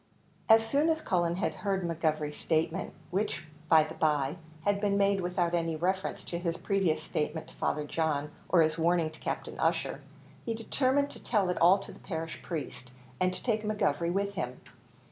As soon as Cullen had heard McGovery's statement which, by the by, had been made without any reference to his previous statement to Father John, or his warning to Captain Ussher he determined to tell it all to the parish priest, and to take McGovery with him.